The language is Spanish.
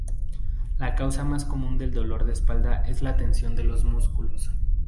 La causa más común del dolor de espalda es la tensión de los músculos.